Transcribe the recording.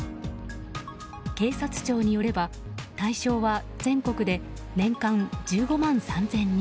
警察庁によれば、対象は全国で年間１５万３０００人。